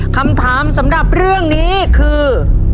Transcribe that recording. คำถามสำหรับเรื่องนี้คือ